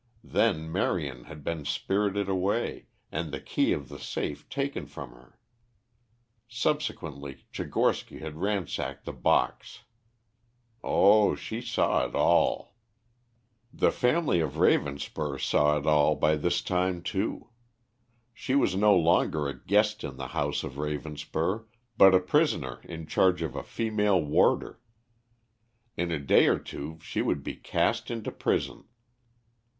Then Marion had been spirited away, and the key of the safe taken from her. Subsequently Tchigorsky had ransacked the box. Oh, she saw it all. The family of Ravenspur saw it all by this time, too. She was no longer a guest in the house of Ravenspur, but a prisoner in charge of a female warder. In a day or two she would be cast into prison.